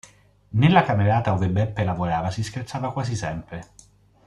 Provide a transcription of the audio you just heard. Nella camerata ove Beppe lavorava si scherzava quasi sempre.